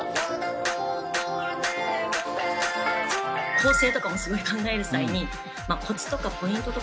構成とかもすごい考える際にコツとかポイントとかって。